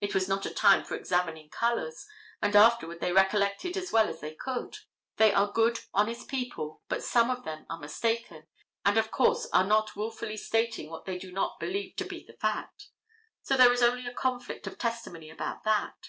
It was not a time for examining colors, and afterward they recollected as well as they could. They are good, honest people, but some of them are mistaken, and of course are not wilfully stating what they do not believe to be the fact. So that there is a conflict of testimony about that.